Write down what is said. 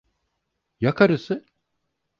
Ya karısı?